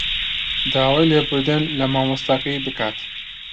داوای لێبوردن لە مامۆستاکەی بکات